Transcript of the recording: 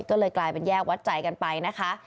ก็เลยกลายเป็นแยกวัดใจกันไปนะคะ